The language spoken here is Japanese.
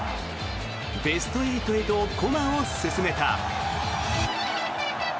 ベスト８へと駒を進めた。